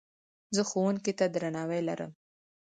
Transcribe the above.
زه ښوونکي ته درناوی لرم.